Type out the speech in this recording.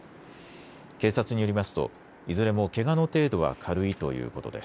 警察によりますと、いずれもけがの程度は軽いということです。